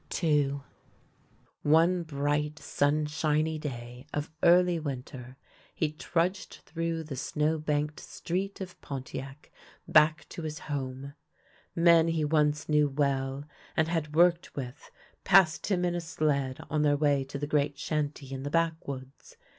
II One bright, sunshiny day of early winter, he trudged through the snow banked street of Pontiac back to his home. Men he once knew well, and had worked with, passed him in a sled on their way to the great shanty in the backwoods.